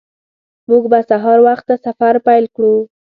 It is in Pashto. موږ به سهار وخته سفر پیل کړو